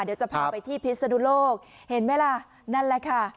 เดี๋ยวจะพาไปที่พิศนุโลกเห็นไหมล่ะนั่นแหละค่ะ